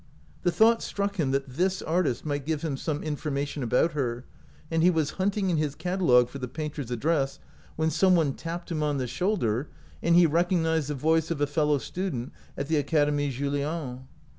The thought struck him that this artist might give him some information about her, and he was hunting in his catalogue for the painter's address, when some one tapped him on the shoulder, and he recognized the voice of a fellow student at the Academie Julian.